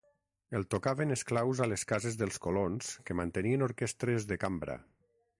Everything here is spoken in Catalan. El tocaven esclaus a les cases dels colons que mantenien orquestres de cambra.